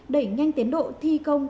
đẩy nhanh tiến độ thi công